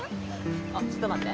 あっちょっと待って。